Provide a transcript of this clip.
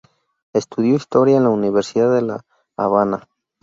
Estudió Historia en la Universidad de La Habana.